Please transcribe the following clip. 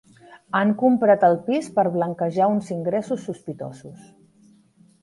Han comprat el pis per blanquejar uns ingressos sospitosos.